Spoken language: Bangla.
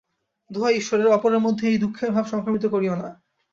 দোহাই ঈশ্বরের, অপরের মধ্যে এই দুঃখের ভাব সংক্রামিত করিও না।